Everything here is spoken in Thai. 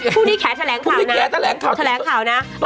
ภูมิแขนแขนแขนค่านะ